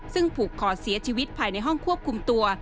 ซึ่งผูกคอเสียชีวิตภายในห้องควบคุมตัว